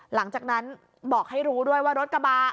หลังจากนั้นบอกให้รู้ด้วยว่ารถกระบะ